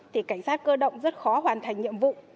thì cảnh sát cơ động rất khó hoàn thành nhiệm vụ